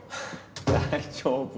大丈夫。